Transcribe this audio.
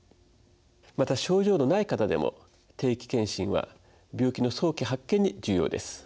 また症状のない方でも定期健診は病気の早期発見に重要です。